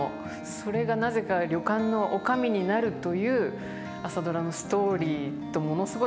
それがなぜか旅館の女将になるという「朝ドラ」のストーリーとものすごい重なりまして。